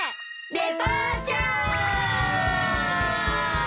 デパーチャー！